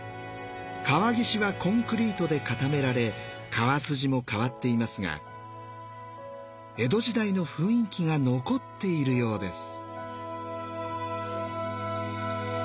川岸はコンクリートで固められ川筋も変わっていますが江戸時代の雰囲気が残っているようです。